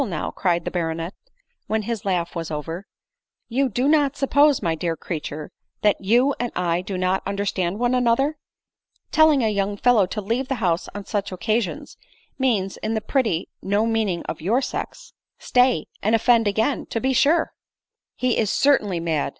now," cried the baronet, when his laugh was over, " you do not suppose, my dear creature, that you and 1 do not understand one another ! Telling a young fellow to leave the house on such occasions,, means, in the pretty no meaning of your sex, * Stay, and offend again, 9 to be sure." 4* N. 38 ADELINE MOWBRAY. " He is certainly mad